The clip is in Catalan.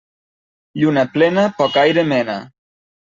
Lluna plena poc aire mena.